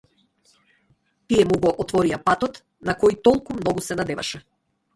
Тие му го отворија патот на кој толку многу се надеваше.